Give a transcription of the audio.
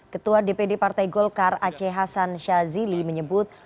ketua dpd partai golkar aceh hasan syazili menyebut